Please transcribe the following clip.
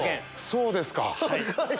そうですか。